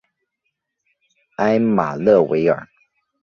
埃马勒维尔。